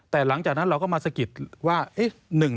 แต่หลังจากนั้นเราก็มาสะกิดว่า